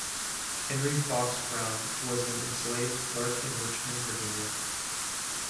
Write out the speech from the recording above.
Henry Box Brown was an enslaved clerk in Richmond, Virginia.